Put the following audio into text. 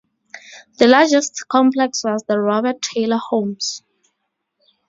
The largest complex was the Robert Taylor Homes.